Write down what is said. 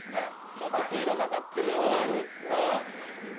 ちょっと黄色がかっているように見える。